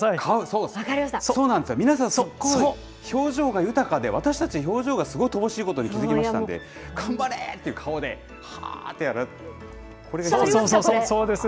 顔、そう、そうなんです、皆さん、表情が豊かで、私たち、表情がすごい乏しいことに気付きましたので、頑張れっていう顔で、そうそうそう、そうです。